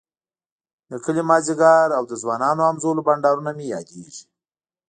د کلي ماذيګر او د ځوانانو همزولو بنډارونه مي ياديږی